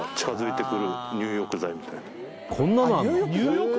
こんなのあんの？